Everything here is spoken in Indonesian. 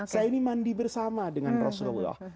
saya ini mandi bersama dengan rasulullah